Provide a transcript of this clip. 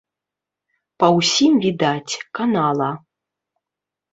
Па ўсім відаць, канала.